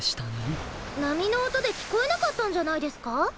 なみのおとできこえなかったんじゃないですか？